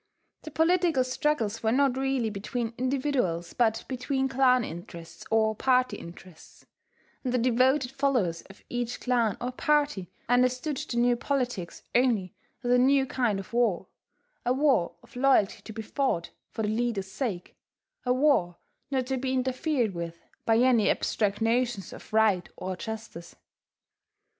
The political struggles were not really between individuals, but between clan interests, or party interests; and the devoted followers of each clan or party understood the new politics only as a new kind of war, a war of loyalty to be fought for the leader's sake, a war not to be interfered with by any abstract notions of right or justice.